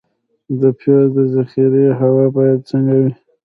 د پیاز د ذخیرې هوا باید څنګه وي؟